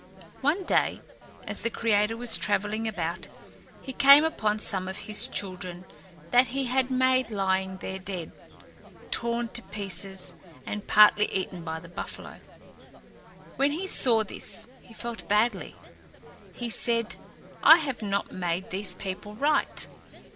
One day, as the creator was travelling about, he came upon some of his children that he had made lying there dead, torn to pieces and partly eaten by the buffalo. When he saw this, he felt badly. He said, "I have not made these people right.